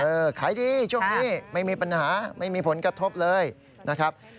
ขายดีช่วงนี้ไม่มีปัญหาไม่มีผลกระทบเลยนะครับ